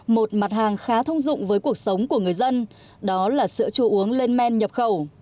một mặt hàng khá thông dụng với cuộc sống của người dân đó là sữa chua uống lên men nhập khẩu